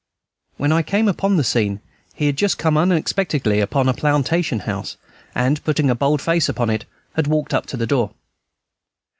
When I came upon the scene he had just come unexpectedly upon a plantation house, and, putting a bold face upon it, had walked up to the door.